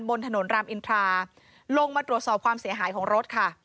บนถนนรามอินทราลงมาตรวจสอบความเสียหายของรถค่ะ